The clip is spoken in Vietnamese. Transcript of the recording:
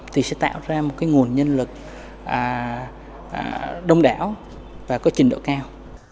thì sẽ tạo ra một nguồn nhân lực đông đảo và có trình độ cao